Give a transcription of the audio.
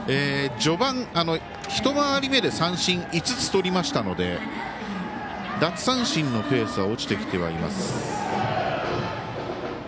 序盤、一回り目で三振を５つ取りましたので奪三振のペースは落ちてきてはいます。